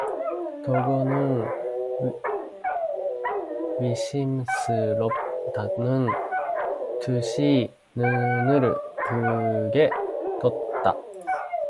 덕호는 의심스럽다는 듯이 눈을 크게 떴다.